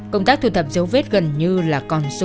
công tác thu thập dấu vết gần như là con số